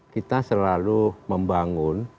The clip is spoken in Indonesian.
kita selalu membangun